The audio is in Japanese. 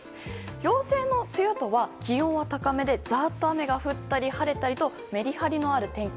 陽性の梅雨とは、気温は高めでザーッと雨が降ったり晴れたりとメリハリのある天気。